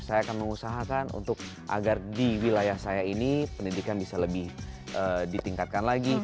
saya akan mengusahakan untuk agar di wilayah saya ini pendidikan bisa lebih ditingkatkan lagi